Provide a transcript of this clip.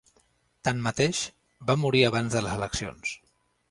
Tanmateix, va morir abans de les eleccions.